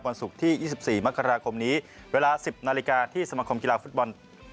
ศุกร์ที่๒๔มกราคมนี้เวลา๑๐นาฬิกาที่สมคมกีฬาฟุตบอล